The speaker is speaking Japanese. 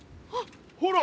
ほら。